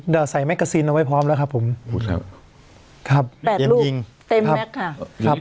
เดี๋ยวใส่เอาไว้พร้อมแล้วครับผมพูดครับครับเต็มยิงเต็มแม็กซ์ค่ะ